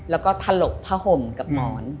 แล้วก็ถลกผ้าห่มกับหมอน